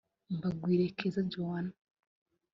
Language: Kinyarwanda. Bagwire Keza Joanah